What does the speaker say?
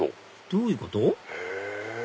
どういうこと？